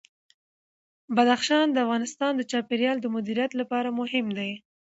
بدخشان د افغانستان د چاپیریال د مدیریت لپاره مهم دي.